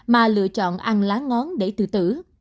mà lựa chọn ăn lá ngón để tự tử